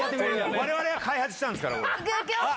我々が開発したんですから。